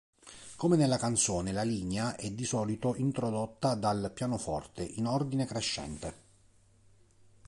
Come nella canzone, la linea è di solito introdotta dal pianoforte, in ordine crescente.